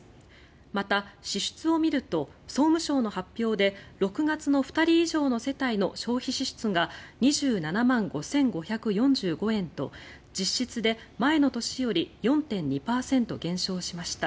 また、支出を見ると総務省の発表で６月の２人以上の世帯の消費支出が２７万５５４５円と実質で前の年より４．２％減少しました。